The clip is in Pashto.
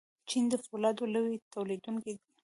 چین د فولادو لوی تولیدونکی دی.